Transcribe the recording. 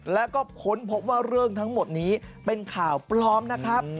แล้วก็ค้นพบว่าเรื่องทั้งหมดนี้เป็นข่าวปลอมนะครับ